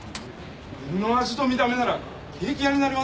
この味と見た目ならケーキ屋になれますよ